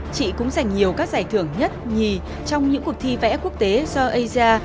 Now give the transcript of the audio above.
chị cũng giành nhiều các giải thưởng nhất nhì trong những cuộc thi vẽ quốc tế do aza